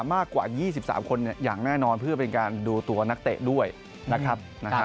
มากกว่า๒๓คนอย่างแน่นอนเพื่อเป็นการดูตัวนักเตะด้วยนะครับ